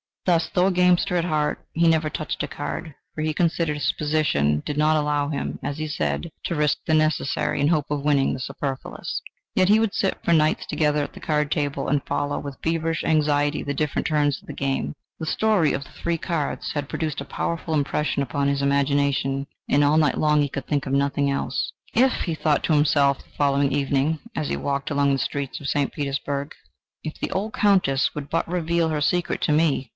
Thus, though a gamester at heart, he never touched a card, for he considered his position did not allow him as he said "to risk the necessary in the hope of winning the superfluous," yet he would sit for nights together at the card table and follow with feverish anxiety the different turns of the game. The story of the three cards had produced a powerful impression upon his imagination, and all night long he could think of nothing else. "If," he thought to himself the following evening, as he walked along the streets of St. Petersburg, "if the old Countess would but reveal her secret to me!